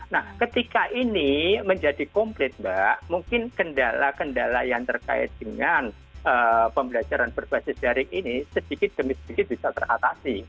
nah ketika ini menjadi komplit mbak mungkin kendala kendala yang terkait dengan pembelajaran berbasis daring ini sedikit demi sedikit bisa teratasi